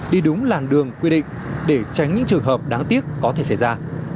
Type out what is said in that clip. đi đúng làn đường quy định để tránh những trường hợp đáng tiếc có thể xảy ra